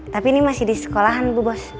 tapi ini masih di sekolahan bu bos